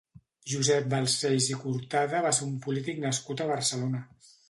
Josep Balcells i Cortada va ser un polític nascut a Barcelona.